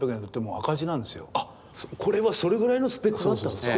これはそれぐらいのスペックがあったんですか？